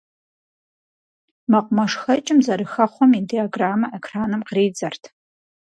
МэкъумэшхэкӀым зэрыхэхъуэм и диаграммэ экраным къридзэрт.